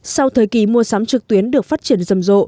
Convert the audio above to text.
sau thời kỳ mua sắm trực tuyến được phát triển rầm rộ